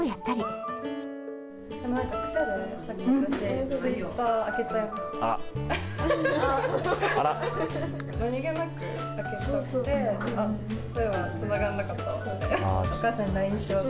何気なく開けちゃって、そういえばつながんなかったわって。